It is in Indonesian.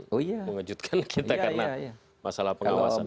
mengejutkan kita karena masalah pengawasan